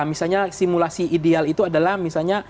misalnya simulasi ideal itu adalah misalnya